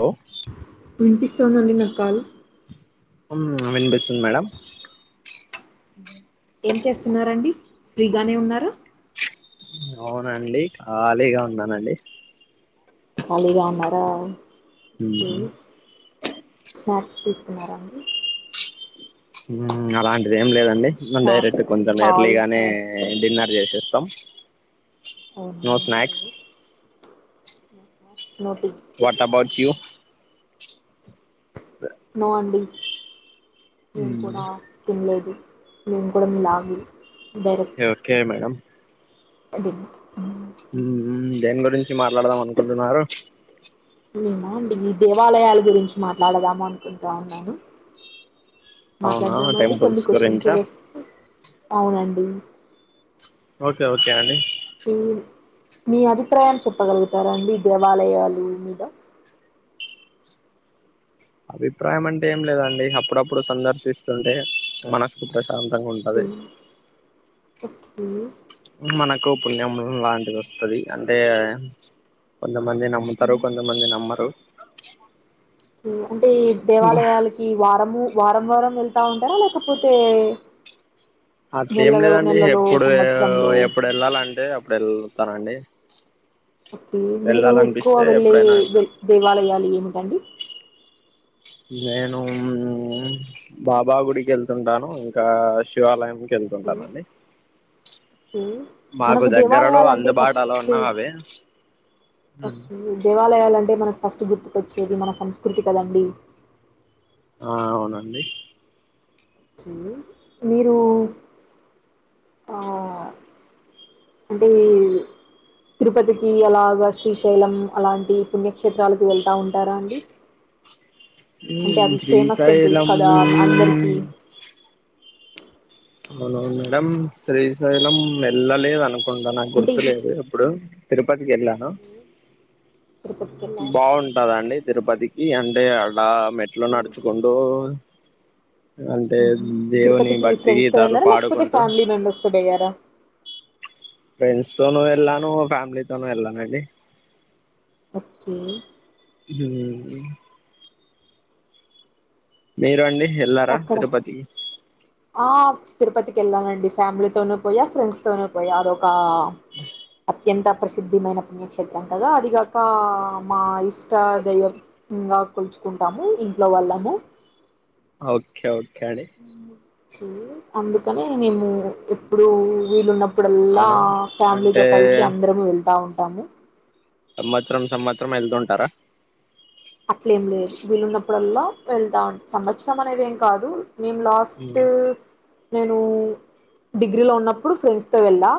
Hello వినిపిస్తోందండి నాకు call మ్మ్ వినిపిస్తుంది మేడం ఏం చేస్తున్నారండి, ఫ్రీగానే ఉన్నారా అవునండి ఖాళీగా ఉన్నానండి ఖాళీగా ఉన్నారా ఊ స్నాక్స్ తీసుకున్నారాండి ఊ అలాన్ అదేం లేదండి నేన్ డైరెక్ట్ స్నాక్స్ కొంచెం చాయ్ ఎర్లీగానే మేం డిన్నర్ చేసేస్తం నో స్న్క్స్ నమస్కారం వాట పడుచ్చియు నో అడి నేను కూడా తినలేదు నేను కూడా లాగి ఓకే మేడ అది ఉ దేం గురించి మాట్లాడదాం అనుకుంటున్నారు ఏమ అండి ఈ దేవాలయాల గురించి మాట్లాడదాము అనుకుంటా ఉన్నాను అవునా మాట్లాడదామండి కొన్ని టెంపుల్స్ క్వశ్చన్స్ గురించా వేస్త అవునండి ఓకే ఓకే అండి మీ అభిప్రాయం చెప్పగలుగుతారా అండి దేవాలయాలు మీద అభిప్రాయం అంటే ఏం లేదండి అప్పుడప్పుడు సందర్శిస్తుంటే మనసుకు ప్రశ ప్రశాంతంగా ఉంటది పక్క మనకు పుణ్యము లాంటిది వస్తుంది అంటే కొంతమంది నమ్ముతారు కొంతమంది నమ్మరు తిన్న అంటే దేవాలయాలకి వారము వారం వారం వెళ్తా ఉంటారా లేకపోతే వ అట్లేం లేదండి ఎప్పుడు సంవత్సరంలో ఆ ఎప్పుడు వెళ్లాలంటే వెళ్తానండి ఓకే మీరు ఎక్కువ వెళ్ళాలనిపిస్తే వెళ్ళే ఎప్పుడైనా వెళ్తా దే దేవాలయాలు ఏమి అండి నేను హమ్ బాబా గుడికి వెళ్తుంటాను ఇంకా శివాలయం వెళ్తుంటాను అండి హమ్ మనకు దేవాలయాలు అంటే అందుబాటులో ఫస్ట్ ఉన్నా అవే ఓకే దేవాలయాలంటే మనకు ఫస్ట్ గుర్తుకొచ్చేది మన సంస్కృతి కదండి ఆ అవునండి చీ మీరు ఆ అంటే తిరుపతికి అలాగా శ్రీశైలం అలాంటి పుణ్యక్షేత్రాలకు వెళ్తా ఉంటారా అండి అంటే ఉమ్ అవి ఫేమస్ టెంపుల్స్ శ్రీశైలం కదా హమ్ అందరికి అవునవును మేడం శ్రీశైలం వెళ్లలేదు అనుకో కొంత నాకు అంటే గుర్తులేదు ఇప్పుడు తిరుపతి వెళ్లాను తిరుపతికెళ్ళారు బాగుంటాదా అండి తిరుపతి టీ ఎంత ఏడ ఆ మెట్లు నడుచుకుంటూ లా హమ్ దేవుని తిరుపతికి మీ భక్తి ఫ్రెండ్స్ తో గీతాలు వెళ్లారా లేకపోతే పాడుకుంటూ ఫ్యామిలీ మెంబర్స్ తో పోయారా ఫ్రెండ్స్ తోనూ వెళ్లాను ఫ్యామిలీతోనూ వెళ్లానండి ఓకే హమ్ హమ్ మీరు అండి ఎల్లారా అక్కడ తిరుపతికి ఆ తిరుపతికి వెళ్లానండి ఫ్యామిలీతోనూ పోయా ఫ్రెండ్స్ తోనూ పోయా అదొక ఆ అత్యంత ప్రసిద్ధిమైన పుణ్యక్షేత్రం కదా అదిగాక ఆ మా ఇష్ట దైవంగా తెలుసుకున్నాము ఇంట్లో వాళ్ళము ఓకే ఓ కానీ ఓకే అందుకనే మేము ఎప్పుడూ వీలున్నప్పుడు ఇప్పుడల్లా అవునా ఫ్యామిలీతో అంటే కలిసి అందరూ వెళ్తా ఉంటా ఏవండీ సంవత్సరం సంవత్సరం వెళ్తుంటారా ఇప్పుడల్లా వెళ్తాం సంవత్సరం అనేది ఏం కాదు మేము లాస్ట్ నేను డిగ్రీలో ఉన్నప్పుడు ఫ్రెండ్స్తో వెళ్ళా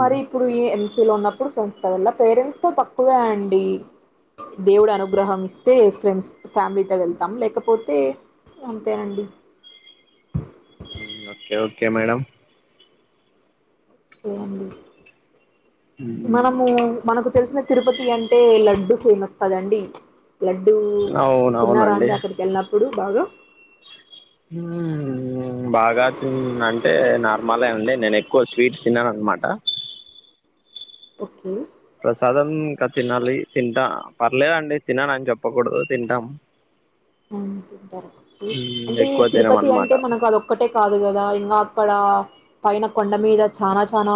మరి ఇప్పుడు ఈ ఎం ఉన్నప్పుడు ఫ్రెండ్స్ తో వెళ్ళ పేరెంట్స్ తో తక్కువే అండి దేవుడు అను గ్రహం ఇస్తే ఫ్రెండ్స్ ఫ్యామిలీతో వెళ్తాం లేకపోతే అంతేనండి ఓకే ఓకే మేడం ఏండి మనము మనకు తెలిసిన తిరుపతి అంటే లడ్డు ఫేమస్ కదండి లడ్డూ తిన్నారా అవునవునండి అండి అక్కడికి వెళ్ళినప్పుడు బాగా బాగా తి అ అంటే నార్మల్ అండి నేను ఎక్కువ స్వీట్ తిన్నాను అనమాట ఓకే ప్రసాదం ఇంకా తినాలి తింటా పర్లేదండి తిననుని చెప్పకూడదు తింటాం అ అంటే ఈ ఎక్కువ తినం తిరుపతి అన్నమాట అంటే మనకు అది ఒక్కటే కాదు కదా ఇంకా అక్కడ పైన కొండ మీద చానా చానా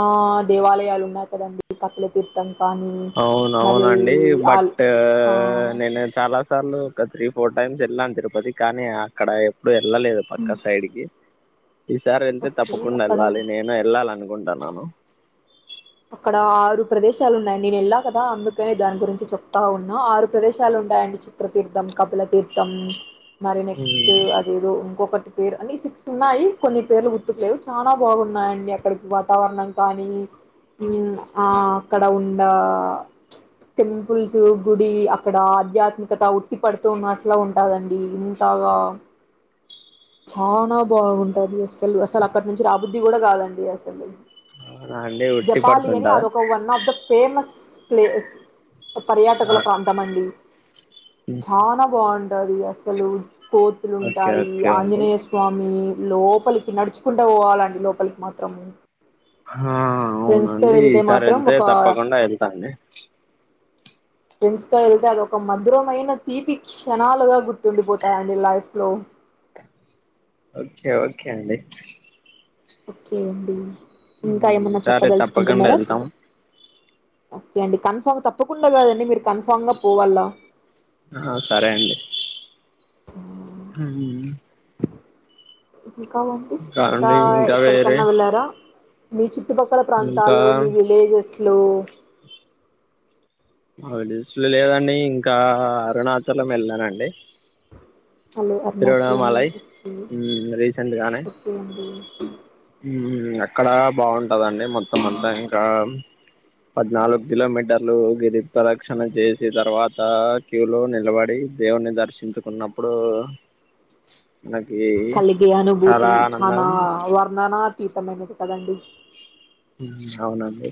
దేవాలయాలు ఉన్నాయి కదండి కపిల తీర్థం కానీ అవును మరి అవునండి ఆల్ బట్ ఆ నేను చాలాస్ సార్లు ఒక త్రీ ఫోర్ టైమ్స్ ఎళ్ళాన్ తిరుపతిక్ కానీ అక్కడ ఏప్ బుడ్ ఎళ్ళలేదు పక్క సైడ్కి ఈ సారి వెళ్తే ఓకే తప్పకుండ అక్కడ ఎళ్ళాలి నేను ఎళ్ళాల్ అను ఉంటాన్నను అక్కడ ఆరు ప్రదేశాలు ఉన్నాయండి నేనెనల్లా కదా అందుకే దాని గురించి చెప్తా ఉన్నా ఆరు ప్రదేశాలున్నాయండి నేను వెళ్లాా కదా అందుకనే దాని గురించి చెప్తా ఉన్నా ఆరు ప్రదేశాలు ఉంటాయండి చిత్రతీర్థం కపులతీర్థం మరి నెక్స్ట్ అదేదో ఇంకొక పేరు అని సిక్స్ ఉన్నాయి కొన్ని పేర్లు గుర్తుకులేవు చాలా బాగున్నాయండి అక్కడికి వాతావరణం కానీ ఉమ్ ఆ అక్కడ ఉండ టెంపుల్స్ గుడి అక్కడ ఆధ్యాత్మికత ఉట్టిపడుతుూ ఉన్నట్లా ఉంటాదని ఈ ఇంతగా చానా బాగుంటది అస్సలు అసలు అక్కడి నుంచి రాబుద్ధి కూడా కాదండి అసలు. అవునా అండి ఉట్టి జపాలి అని పడుతుంటారా అదొక one of the famous place ఓ పర్యాటకుల ప్రాంతం అండి చానా బాగుంట్ ఉంటది అసలు ఓకే కోతులుంటాయి ఇ ఓకే అండి ఆంజనేయ స్వామి ఈ లోపలికి నడుచుకుంట వోవాలండి లోపలికి మాత్రము. ఆ అవునండి ఈసారి మాత్రం వెళ్తే ఒక తప్పకుండా వెళ్తాండి ఫ్రెండ్స్ తో ఎళ్తే అది ఒక మధురమైన తీపి క్షణాలుగా గుర్తుండి పోతాయండి లైఫ్ లో ఓకే ఓకే అండి ఒక్కే అండి ఇంకా మ్మ్ ఏమన్నా సరే తప్పకుండ ఎళ్తాం ఒక్కే అండి కన్ఫామ్గ తప్పకుండ్ ఎళ్లాలండి మీరు కన్ఫామ్గా పోవల్ల ఆ సరే అండి మ్మ్ హమ్ ఇంకా ఉంది ఇంకా కాదండి వేరే ఎక్కడికన్న వెళ్లారా బీచిక్ చుట్టుపక్కల ఇంకా ప్రాంతాల్లో మీ విలేజెస్లో మా విలేజ్లో లేదండి ఇంకా అరుణాచలం వెళ్ళానండి హలో అరుణాచలం తిరువణమలై ఒకే ఒక్కే అండి ఉమ్ అక్కడా బావుంటదండి మొత్ మొత్తమంత ఇంకా పద్నాలుగు కిలోమీటర్లు గిరి ప్రదక్షణ చేసి తర్వాత క్యూలో నిలబడి దేవుని దర్శించుకున్నప్పుడూ కలిగి అనుభూతి చానా ఆనందం వర్ణనాత్ తీర్థమైనది కదండి మ్మ్ అవునండి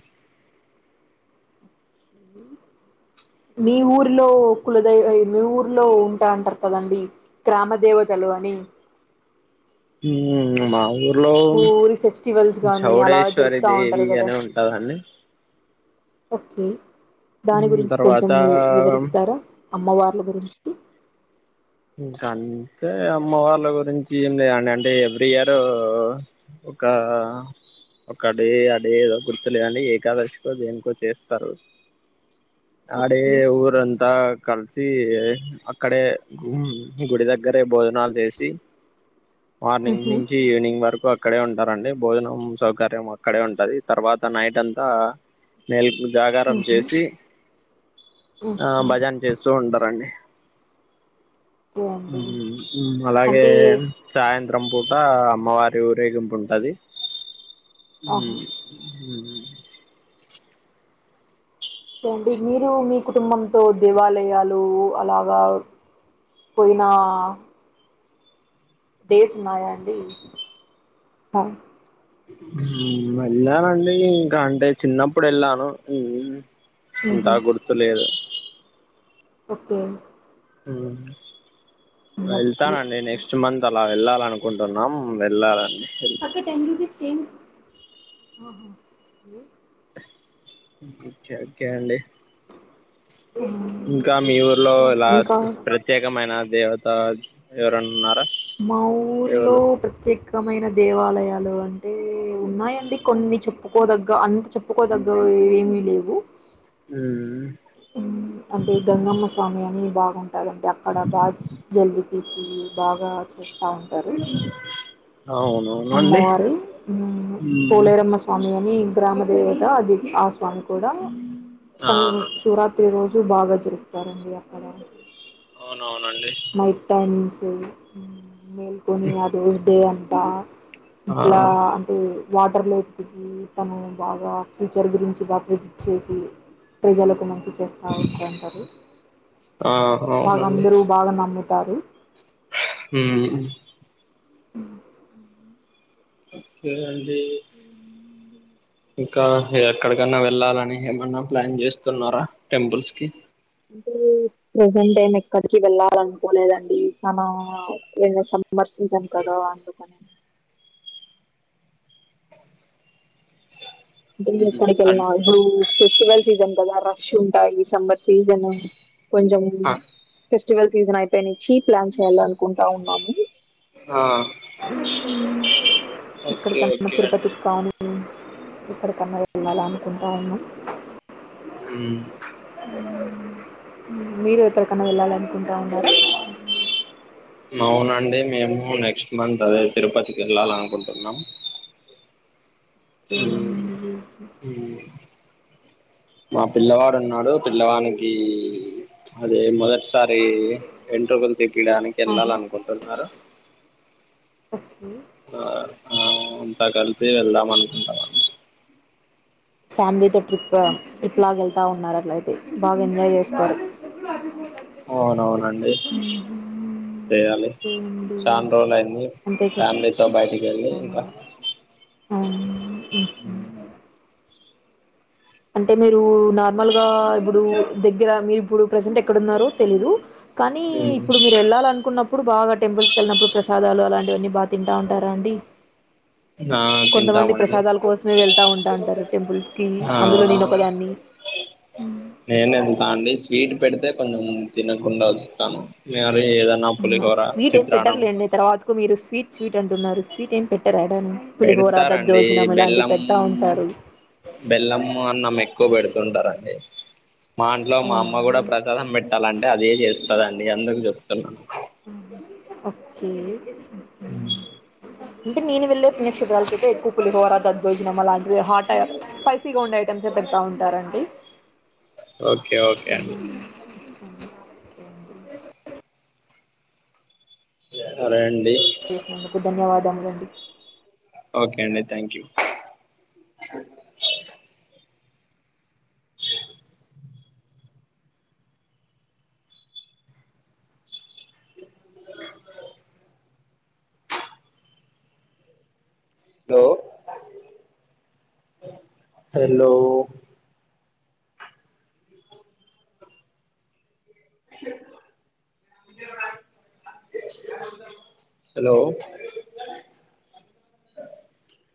మీ ఊర్లో కులధై ఐ మీ ఊర్లో ఉంటా అంటర్ కదండి గ్రామ దేవతలు అని ఉమ్ మా ఊర్ లో మీ ఊరి ఫెస్టివల్స్ గానీ అలా చౌడేశ్వరి జరుపుతా దేవి అనే ఉంటాదండి ఓక్కే దాని గురించి కొంచం తర్వాత వివ్ వివరిస్తారా అమ్మవార్ల గురించి ఇంక అంతే అమ్మ వాళ్ళ గురించి ఏం లేదండి అంటే ఎవ్రీ ఇయరు ఒక్క ఒక్క డే అ డే ఎదో గుర్తులేదండి ఏకాదశికో దేనికో చేస్తారు ఆ డే ఓకే ఊరంత్ ఆ కల్సీ అక్కడే గుమ్ గుడి దగ్గరే భోజనాల్ చేసి మార్నింగ్ మ్హూ నించి ఈవినింగ్ వరకు అక్ అక్కడే ఉంటారండి భోజనం సౌకర్యం అక్కడే ఉంటది తర్వాత నైట్ అంతా మేల్ జాగారం మ్హూ చేసి ఆ మ్హూ భజన చేస్తూ ఉంటారండి ఓకే అండి మ్ హు మ్ అలాగే అంటే సాయంత్ భద్రం పూట అమ్మవారి ఊరేగింపు ఉంటది ఆహా మ్ హ ంటి మీరు మీ కుటుంబంతో దేవాలయాలు అలాగా పోయిన డేస్ ఉన్నాయా అండి ఎలా రండి కంటే చిన్నప్పుడ ఎలాను ఉహు అంతా గుర్తులేదు ఓకే అవు వెళ్తా చిన్నప్పుడు అండి నెక్స్ట్ మంత్ అలా ఎ అనుకుంటున్నాం వెళ్ళాలని అక్క చడి స్ంస్హ ఓకే ఓకే అండి ఇంకా మీ ఊర్లో ఇంకా లాస్ట్ ప్రత్యేకమైన దేవతా ఇవర మా ఊర్లో ప్రత్యేకమైన దేవాలయాలు అంటే ఉన్నాయండి కొన్ని చెప్పుకోదగ్గ అంత చెప్పుకోదగ్గ ఏమి లేవు అంటే గంగమ్మ స్వామి అని భాగం అంటే అక్కడబాద్ జల్ చేస బాగా చేస్తా ఉంటారు అవునవునండి అమ్మవారు పోలేరమ్మ స్వామి మీ గ్రామదేవత అది ఆ స్వామి కూడా ఆ శివరాత్రి రోజు బాగా జరుపుతారండి ప అవును నైట్ టైమ్స్ స మెల్కునియాూద బా ఆ ఇలా అంటే వాటర్ లేక్ దిగి తను బాగా ఫ్యూచర్ గురించి బాగా ప్రిడిక్ట్ చేసి ప్రజలకు మంచి చేస్తావుంటంటారు ఆ బాగా అందరుూ మ్ముతారు హ హ్మ్ ఉమ్ కే [unintelligible] అండి ఇంకా ఎక్కడికన్నా వెళ్ళాలని ఏమన్నా ప్లాన్ చేస్తున్నారా. టెంపుల్స్ కి ప్రేసెంట్ టైం ఎక్కడికి వెళ్ళాలనుకోలేదండి. మా మామ ఏదో సం మార్ సిజామ్ కదా అందుకనే బడిగిన [unintelligible] గుడికెల్న అన్ [inaudible] ఫెస్టివల్ సీజన్ కదా రష్ ఉంటాయి. సమ్మర్ సీజన్ కొంచం ఆ పేస్ స్టివల్ సీజన్ అయిపోనించ్చి ప్లాన్ చేయాలనుకుంటా ఉన్నాము. ఆ హ్మ్ ఓకే ఇక్కడికన్నా, ఓకే అండి తిరుపతికి కానీ ఇక్కడి కన్నా వెళ్ళాల అనుకుంటా ఉన్నం. హ్మ్ హ్మ్ మీరు ఎప్పడికన్నా వెళ్ళాలన్ కుంటా ఉన్నారా అదే మేము నెక్స్ట్ మంత్ అదే తిరుపతికేళ్ళాల్ అనుకుంటున్నాం. ఓకే హ్మ్ అండి. హ్మ్ మా పిల్లవాడు ఉన్నాడు. పిల్లవానికి అదే మొదట్ టిసారీ వెంట్రుకలు తీపియ్యడానికి ఆహా వెళ్లాలనుకుంటున్నారూ. ఒకే ఆ ఆమ్మ్ త కలిసి వెళ్దాం అనుకుంటానం. ఫ్యామిలీతోట్రిప్ ట్రిప్ లాగా వెళ్తా ఉన్నారు. ల అట్లయితే బాగా ఎన్ ఆ అవునవునండి చేయాలి. ఇంకేంటి చాన్ రోజులు అయింది. అంతే కదా ఫ్యామిలీతో బయటికి వెళ్ళి ఇంకా. అవునవును అవును ఉహ్మ్ అంటే మీరు నార్మల్గా ఇప్పుడు. దగ్గర మీరు ఇప్పుడు ప్రసెంట్ ఎక్కడన్నారో తెలీదు. కానీ ఇప్పుడు మీరు వెళ్ళాలనుకున్నప్ ఇప్పుడు బాగా టెంపుల్స్కి వెళ్ళినప్పుడు, ప్రసాదాలు అలాంటివన్నీ బాగ్ తింటా ఉంటారా అండి. ఆ కొంతమంది తింటామండి ప్రసాదాల కోసమే వెళ్తా ఉంటా అంటారు. టెంపుల్స్ కి ఆ నేను ఎంత అండి స్వి టు పెడితే కొంచెం తినకుండా వస్తాము ఉమ్మ్ స్వీట్ ఏం పెట్టరులేండి తర్వాతకు మీరు స్వీ స్వీట్ అంటున్నారు స్వీట్ ఏం పెట్టరె పెడతారండి బెల్లం పెడతా ఉంటారు బెల్లం అన్నం ఎక్కువ పెడుతుంటారండి మా ఇంట్లో మా అవునా అమ్మ అండి కూడా ప్రసాదం పెట్టాలంటే అదే చేస్ కదండి అందరకు చెప్తున్నా ఆహా ఓకే అంటే నేను వెళ్లే పుణ్యక్షేత్రాల కయితే ఎక్కువ పులిహోర దద్దోజనం అలాన్ ఇవి హాటై స్పైసీగా ఉండే ఎంతసేప్ పెడతా ఉంటారండి ఓకే ఓకే అండి అ రెన్ చేసినందుకు ధన్యవాదము రండి ఓకే అండి థ్యాంక్ యూ హలో హలో